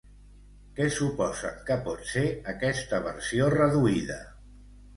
Què suposen que pot ser aquesta versió reduïda?